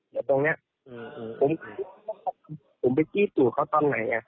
เดี๋ยวตรงนี้ผมไปจี้ตูดเขาตอนไหน